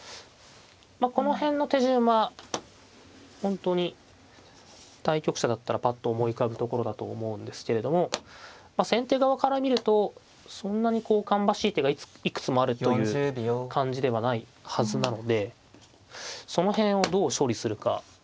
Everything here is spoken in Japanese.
この辺の手順は本当に対局者だったらパッと思い浮かぶところだと思うんですけれども先手側から見るとそんなにこう芳しい手がいくつもあるという感じではないはずなのでその辺をどう処理するか。